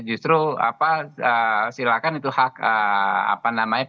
justru apa silahkan itu hak apa namanya